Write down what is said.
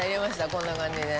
こんな感じでね。